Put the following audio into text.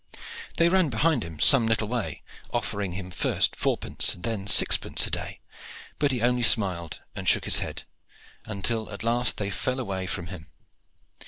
They ran behind him some little way, offering him first fourpence and then sixpence a day, but he only smiled and shook his head, until at last they fell away from him.